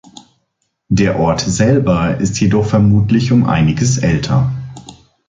Der Ort selber ist jedoch vermutlich um einiges älter.